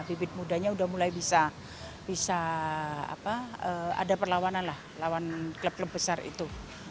bibit mudanya udah mulai bisa ada perlawanan lah lawan klub klub besar itu